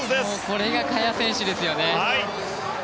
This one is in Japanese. これが萱選手ですよね。